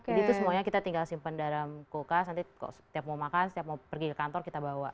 jadi itu semuanya kita tinggal simpan dalam kulkas nanti setiap mau makan setiap mau pergi kantor kita bawa